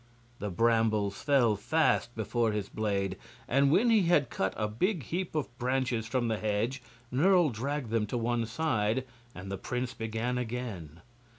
The brambles fell fast before his blade, and when he had cut a big heap of branches from the hedge Nerle dragged them to one side, and the prince began again.